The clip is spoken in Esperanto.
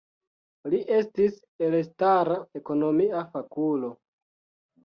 Li estis elstara ekonomia fakulo.